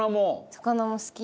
魚も好き。